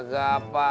boleh tahan orang